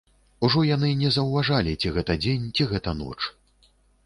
Ужо яны не заўважалі, ці гэта дзень, ці гэта ноч.